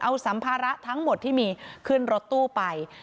เอาสัมภาระทั้งหมดที่มีขึ้นรถตู้ไป